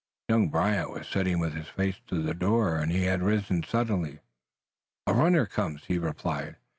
Young Brant was sitting with his face to the door, and he had risen suddenly. "A runner comes," he replied.